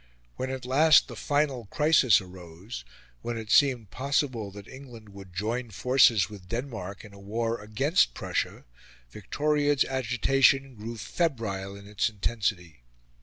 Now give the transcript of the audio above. When at last the final crisis arose when it seemed possible that England would join forces with Denmark in a war against Prussia Victoria's agitation grew febrile in its intensity.